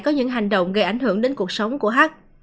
có những hành động gây ảnh hưởng đến cuộc sống của hát